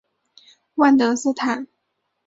万德斯坦。